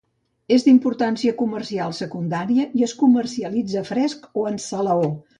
És d'importància comercial secundària i es comercialitza fresc o en salaó.